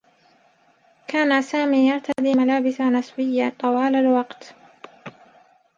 كان سامي يرتدي ملابس نسويّة طوال الوقت.